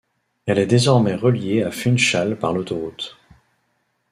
Elle est désormais reliée à Funchal par l'autoroute.